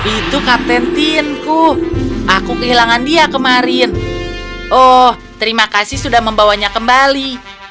itu kapten timku aku kehilangan dia kemarin oh terima kasih sudah membawanya kembali